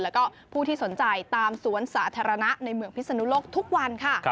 แล้วก็ผู้ที่สนใจตามสวนสาธารณะในเมืองพิศนุโลกทุกวันค่ะ